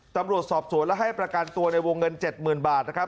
ตำรวจสอบสวนและให้ประกันตัวในวงเงิน๗๐๐๐บาทนะครับ